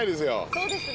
そうですね。